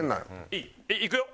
いい？いくよ？